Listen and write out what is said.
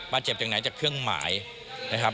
เจ็บจากไหนจากเครื่องหมายนะครับ